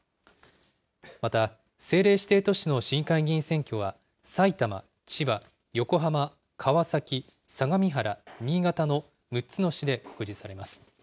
また政令指定都市の市議会議員選挙はさいたま、千葉、横浜、川崎、相模原、新潟の６つの市で告示されます。